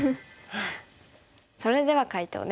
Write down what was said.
それでは解答です。